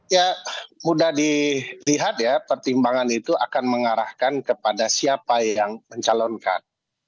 ya mudah dilihat ya pertimbangan itu akan mengarahkan kepada siapa yang mencalonkan